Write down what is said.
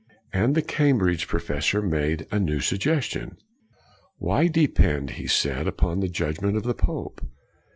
And the Cambridge pro fessor made a new suggestion. Why de pend, he said, upon the judgment of the pope?